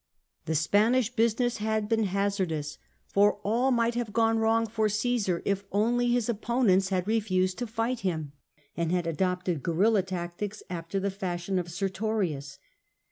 The Spanish business had been hazardous, for all 328 CAESAR miglit have gone wrong for Osesar if only his opponents had refused to fight him, and had adopted guerilla tactics after the fashion of Sertorius.